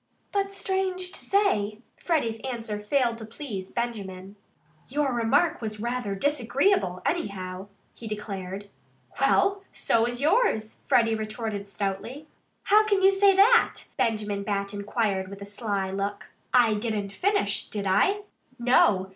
But strange to say, Freddie's answer failed to please Benjamin. "Your remark was very disagreeable, anyhow," he declared. "Well so was yours," Freddie retorted stoutly. "How can you say that?" Benjamin Bat inquired with a sly look. "I didn't finish it, did I?" "No!"